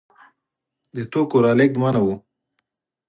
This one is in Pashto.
د توکو رالېږد منع و.